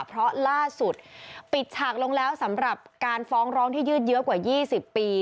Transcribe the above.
เพราะล่าสุดปิดฉากลงแล้วสำหรับการฟ้องร้องที่ยืดเยอะกว่า๒๐ปี